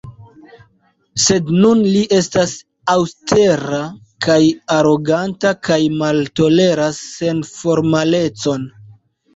Sed nun li estas aŭstera kaj aroganta kaj maltoleras senformalecon.